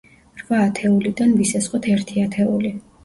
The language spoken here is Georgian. რვა ათეულიდან ვისესხოთ ერთი ათეული.